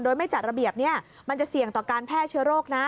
โดยไม่จัดระเบียบเนี่ยมันจะเสี่ยงต่อการแพร่เชื้อโรคนะ